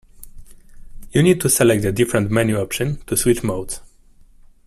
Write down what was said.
You need to select a different menu option to switch modes.